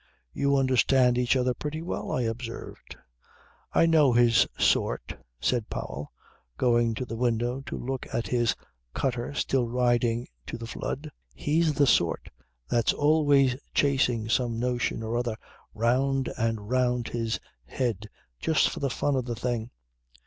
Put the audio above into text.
"You understand each other pretty well," I observed. "I know his sort," said Powell, going to the window to look at his cutter still riding to the flood. "He's the sort that's always chasing some notion or other round and round his head just for the fun of the thing."